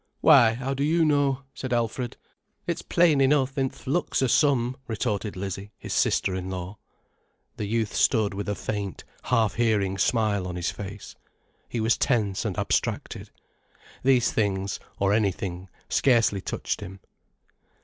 "Why, how do you know?" said Alfred. "It's plain enough in th' looks o' some," retorted Lizzie, his sister in law. The youth stood with a faint, half hearing smile on his face. He was tense and abstracted. These things, or anything, scarcely touched him.